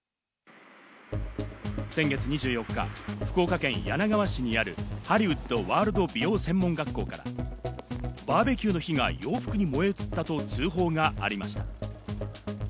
先月２４日、福岡県柳川市にある、ハリウッドワールド美容専門学校からバーベキューの火が洋服に燃え移ったと通報がありました。